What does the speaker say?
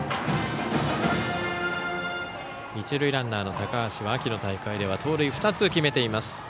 一塁ランナーの高橋は秋の大会では盗塁２つ決めています。